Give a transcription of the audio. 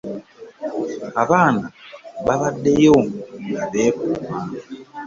Abaana babaddeyo nga beekuuma.